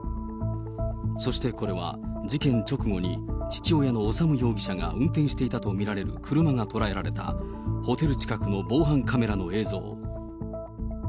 そして、これは事件直後に父親の修容疑者が運転していたと見られる車が捉えられたホテル近くの防犯カメラの映像。